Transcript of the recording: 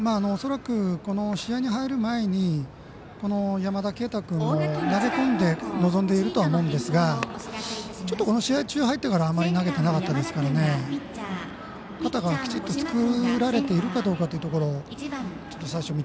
恐らく、試合に入る前に山田渓太君も投げ込んで臨んでいると思いますが試合中入ってからあまり投げてなかったですから肩がきちっと作られているかどうかというところ。